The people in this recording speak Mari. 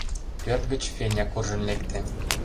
Пӧрт гыч Феня куржын лекте.